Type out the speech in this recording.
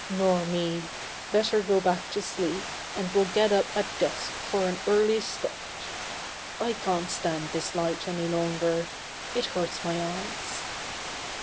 ^^Nor me ! Better go back to sleep, and we'll get up at dusk tar an early start. I can't stand this light any longer. It hurts my eyes."